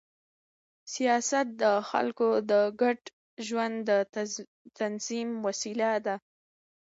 سیاست د خلکو د ګډ ژوند د تنظیم وسیله ده